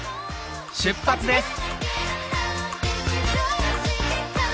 出発です！